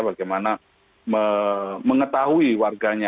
bagaimana mengetahui warganya